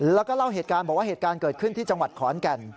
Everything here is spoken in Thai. แล้วก็เล่าเหตุการณ์บอกว่าเหตุการณ์เกิดขึ้นที่จังหวัดขอนแก่น